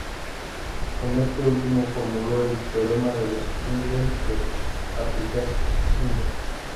Con este último formuló el "Teorema de los índices de Atiyah-Singer".